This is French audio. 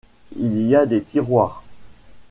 Il y a des tiroirs.